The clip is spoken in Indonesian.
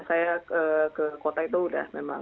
saya ke kota itu udah memang